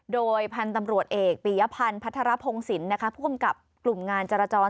โดยพรรณตำรวจเอกปิยพันธ์พัฒนารพงศิลป์ผู้กลับกลุ่มงานจราจร